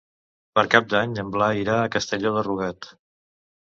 Per Cap d'Any en Blai irà a Castelló de Rugat.